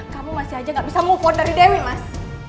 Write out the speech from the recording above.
kamu masih aja gak bisa move on dari demi mas